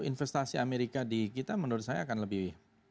investasi amerika di kita menurut saya akan lebih